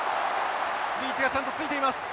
リーチがちゃんと付いています。